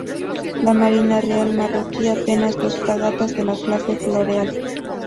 La Marina Real Marroquí opera dos fragatas de la clase "Floreal".